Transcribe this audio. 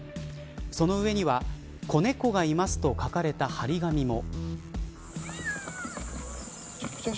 その上には、子猫がいますと書かれた張り紙も。